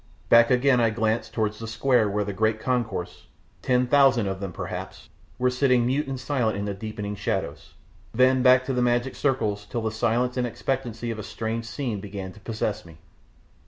Back again, I glanced towards the square where the great concourse ten thousand of them, perhaps were sitting mute and silent in the deepening shadows, then back to the magic circles, till the silence and expectancy of a strange scene began to possess me.